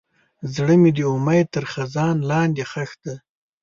زړه مې د امید تر خزان لاندې ښخ دی.